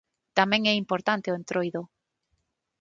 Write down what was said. Tamén é importante o entroido.